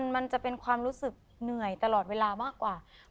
มันจะเป็นความรู้สึกเหนื่อยตลอดเวลามากกว่า